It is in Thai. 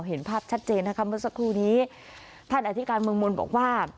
เห็นภาพชัดเจนนะคะเมื่อสักครู่นี้ท่านอธิการเมืองมนต์บอกว่า